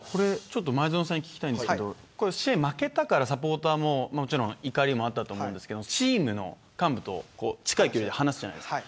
前園さんに聞きたいんですけど試合に負けたからサポーターの怒りもあったと思うんですがチームの幹部と近い距離で話すじゃないですか。